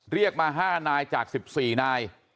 เรียกมา๕นายจาก๑๔นาย